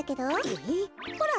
えっ？ほら。